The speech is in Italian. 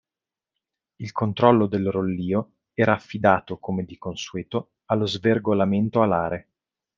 Il controllo del rollio era affidato, come di consueto, allo svergolamento alare.